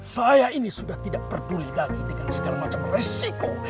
saya ini sudah tidak peduli lagi dengan segala macam resiko